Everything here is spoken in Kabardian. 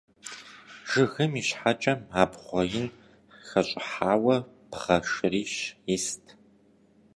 Жыгым и щхьэкӏэм абгъуэ ин хэщӏыхьауэ бгъэ шырищ ист.